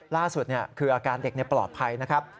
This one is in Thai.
ล่าสุดคืออาการเด็กปลอดภัยนะครับ